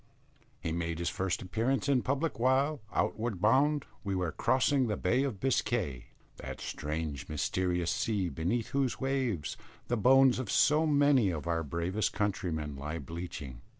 He made his first appearance in public while, outward bound, we were crossing the Bay of Biscay that strange mysterious sea, beneath whose waves the bones of so many of our bravest countrymen lie bleaching.